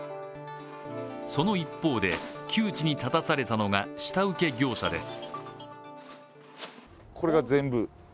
その一方で、窮地に立たされたのが下請け業者です。